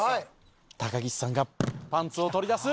高岸さんがパンツを取り出す！